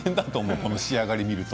この仕上がるをやると。